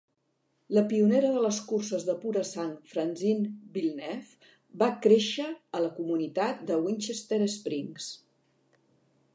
La pionera de les curses de pura sang, Francine Villeneuve, va créixer a la comunitat de Winchester Springs.